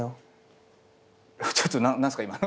ちょっと何すか今の。